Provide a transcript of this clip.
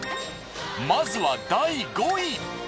まずは第５位。